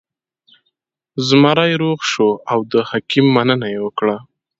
زمری روغ شو او د حکیم مننه یې وکړه.